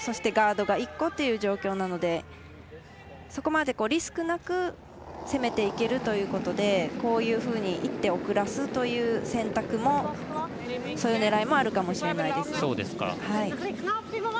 ガードが１個という状況なので、そこまでリスクなく攻めていけるということでこういうふうに一手遅らすという選択も、そういうねらいもあるかもしれないです。